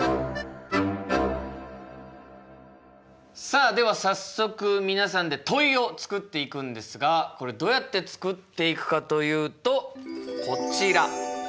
さあでは早速皆さんで問いを作っていくんですがこれどうやって作っていくかというとこちら。